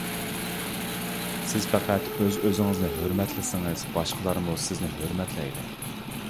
سىز پەقەت ئۆز-ئۆزىڭىزنى ھۆرمەتلىسىڭىز، باشقىلارمۇ سىزنى ھۆرمەتلەيدۇ.